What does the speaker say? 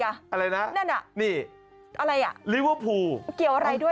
อะไรนะนั่นอ่ะนี่อะไรอ่ะลิเวอร์พูลเกี่ยวอะไรด้วย